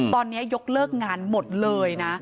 ตอนนี้ยกเลิกงานหมดเลยนะ